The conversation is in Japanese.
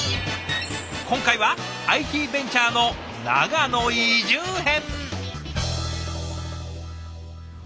今回はＩＴベンチャーの長野移住編。